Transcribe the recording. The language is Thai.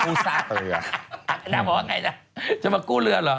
น่าบอกว่าไงล่ะ